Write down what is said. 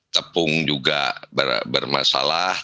tepung juga bermasalah